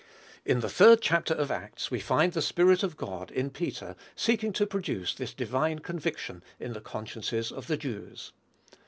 In the third chapter of Acts, we find the Spirit of God in Peter seeking to produce this divine conviction in the consciences of the Jews.